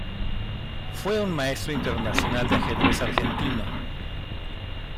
Fue un Maestro Internacional de ajedrez argentino.